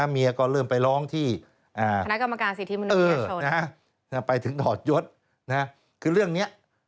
เมียก็เริ่มไปร้องที่